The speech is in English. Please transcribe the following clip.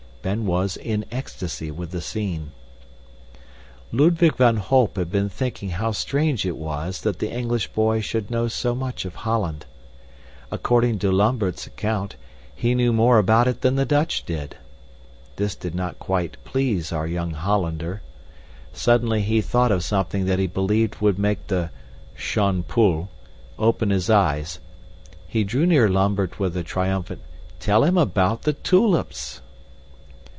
Ben was in ecstasy with the scene. Ludwig van Holp had been thinking how strange it was that the English boy should know so much of Holland. According to Lambert's account, he knew more about it than the Dutch did. This did not quite please our young Hollander. Suddenly he thought of something that he believed would make the "Shon Pull" open his eyes; he drew near Lambert with a triumphant "Tell him about the tulips!"